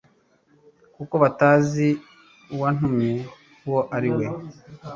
kuko batazi uwantumye uwo ari we.»